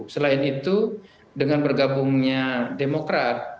selain itu dengan bergabungnya demokrat